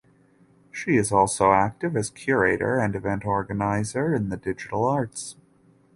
She is also active as curator and event organiser in the digital arts.